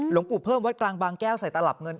หลวงปู่เพิ่มวัดกลางบางแก้วใส่ตลับเงิน